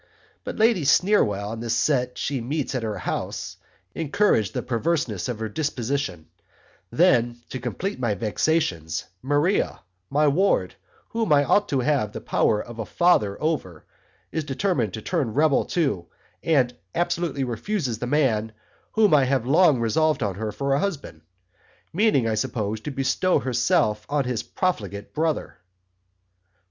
But Lady Sneerwell, and the Set she meets at her House, encourage the perverseness of her Disposition then to complete my vexations Maria my Ward whom I ought to have the Power of a Father over, is determined to turn Rebel too and absolutely refuses the man whom I have long resolved on for her husband meaning I suppose, to bestow herself on his profligate Brother.